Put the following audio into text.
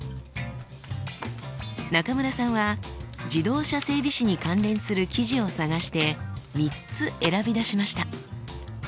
中村さんは自動車整備士に関連する記事を探して３つ選び出しました。